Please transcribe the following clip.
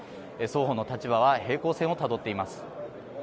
双方の立場は平行線をたどっています。